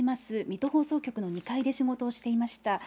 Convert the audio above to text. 水戸放送局の２階で仕事をしていました。